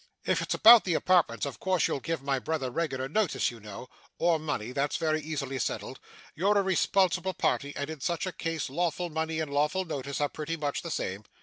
If it's about the apartments, of course you'll give my brother regular notice, you know or money. That's very easily settled. You're a responsible party, and in such a case lawful money and lawful notice are pretty much the same.